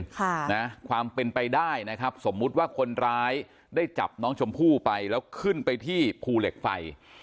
ค่ะนะความเป็นไปได้นะครับสมมุติว่าคนร้ายได้จับน้องชมพู่ไปแล้วขึ้นไปที่ภูเหล็กไฟ